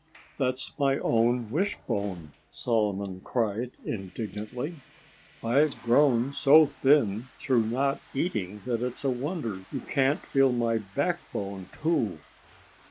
"That's my own wishbone!" Solomon cried indignantly. "I've grown so thin through not eating that it's a wonder you can't feel my backbone, too."